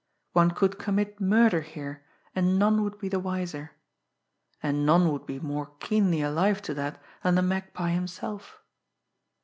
One could commit murder here, and none would be the wiser and none would be more keenly alive to that than the Magpie himself!